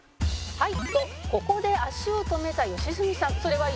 はい。